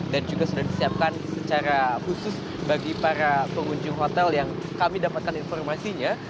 dan juga sudah disiapkan secara khusus bagi para pengunjung hotel yang kami dapatkan informasinya